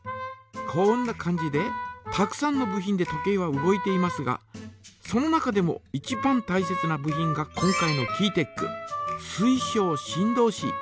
こんな感じでたくさんの部品で時計は動いていますがその中でもいちばんたいせつな部品が今回のキーテック水晶振動子。